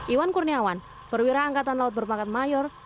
iwan kurniawan perwira angkatan laut berpangkat mayor